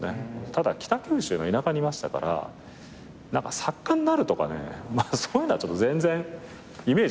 ただ北九州の田舎にいましたから作家になるとかねそういうのはちょっと全然イメージは湧かないんですよね。